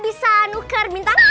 bisa nuker bintang